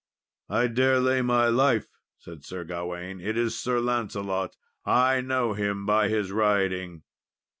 "I dare lay my life," said Sir Gawain, "it is Sir Lancelot. I know him by his riding."